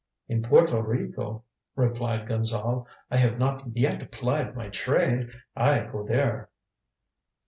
"In Porto Rico," replied Gonzale, "I have not yet plied my trade. I go there."